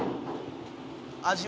「味は？